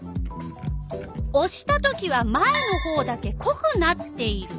おしたときは前のほうだけこくなっている。